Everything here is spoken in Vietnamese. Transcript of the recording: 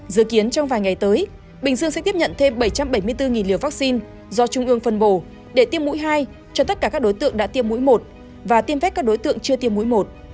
dự kiến trong vài ngày tới bình dương sẽ tiếp nhận thêm bảy trăm bảy mươi bốn liều vaccine do trung ương phân bổ để tiêm mũi hai cho tất cả các đối tượng đã tiêm mũi một và tiêm vét các đối tượng chưa tiêm mũi một